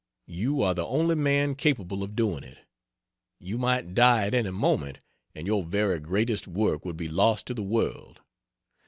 You are the only man capable of doing it. You might die at any moment, and your very greatest work would be lost to the world.